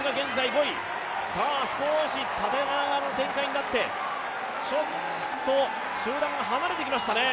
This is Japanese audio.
少し縦長の展開になって集団が離れてきましたね。